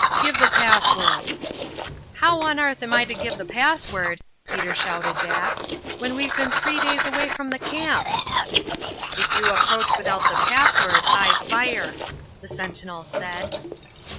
"Give the password." "How on arth am I to give the password," Peter shouted back, "when we've been three days away from the camp?" "If you approach without the password I fire," the sentinel said.